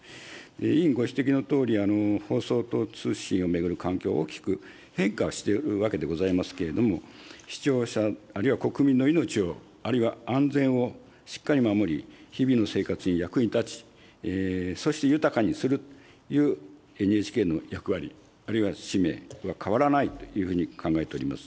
委員ご指摘のとおり、放送と通信を巡る環境は大きく変化しているわけでございますけれども、視聴者、あるいは国民の命を、あるいは安全をしっかり守り、日々の生活に役に立ち、そして豊かにするというＮＨＫの役割、あるいは使命は変わらないというふうに考えております。